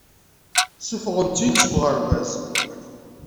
Ssufɣen-tt-id seg uɣerbaz.